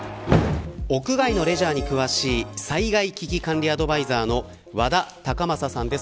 屋外のレジャーに詳しい災害危機管理アドバイザーの和田隆昌さんです。